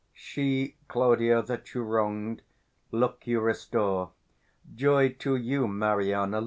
_ She, Claudio, that you wrong'd, look you restore. Joy to you, Mariana!